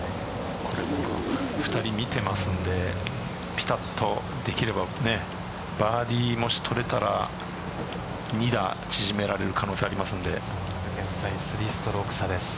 ２人、見ていますんでぴたっとできればバーディー、もし取れたら２打、縮められる可能性は現在３ストローク差です。